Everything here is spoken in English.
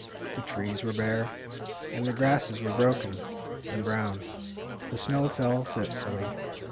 The trees were bare, and the grasses were broken and brown. The snow fell fitfully.